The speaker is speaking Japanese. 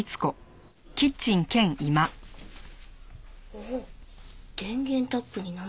おっ電源タップに名前が。